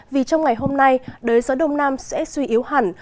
vì trong ngày hôm nay đới gió đông nam sẽ suy yếu hẳn